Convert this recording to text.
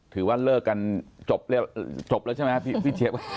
ถือว่าเลิกกันจบแล้วใช่ไหมพี่เชฟ